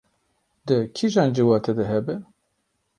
di kîjan ciwatê de hebe